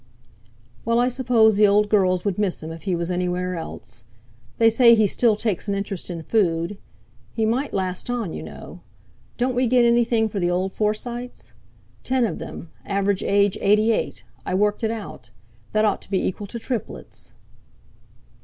"Well, I suppose the old girls would miss him, if he was anywhere else. They say he still takes an interest in food. He might last on, you know. Don't we get anything for the old Forsytes? Ten of them—average age eighty eight—I worked it out. That ought to be equal to triplets."